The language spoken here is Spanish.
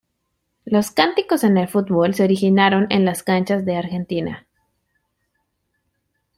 Los cánticos en el fútbol se originaron en las canchas de Argentina.